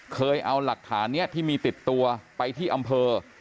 เคยเอาหลักฐานนี้ที่มีติดตัวไปที่อำเภอ